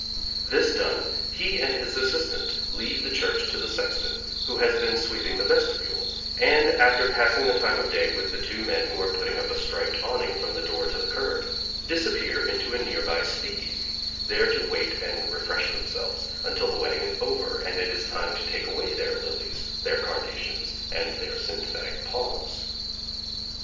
This done, he and his assistant leave the church to the sexton, who has been sweeping the vestibule, and, after passing the time of day with the two men who are putting up a striped awning from the door to the curb, disappear into a nearby speak easy, there to wait and refresh themselves until the wedding is over, and it is time to take away their lilies, their carnations and their synthetic palms.